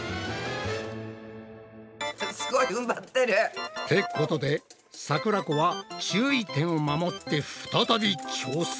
すごいふんばってる。ってことでさくらこは注意点を守って再び挑戦！